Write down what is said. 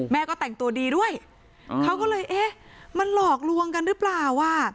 แม่ก็แต่งตัวดีด้วยเขาก็เลยเอ๊ะมันหลอกลวงกันมั้ย